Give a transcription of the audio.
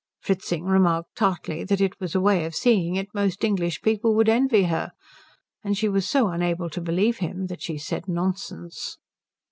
Fritzing remarked tartly that it was a way of seeing it most English people would envy her; and she was so unable to believe him that she said Nonsense.